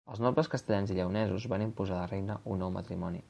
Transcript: Els nobles castellans i lleonesos van imposar a la reina un nou matrimoni.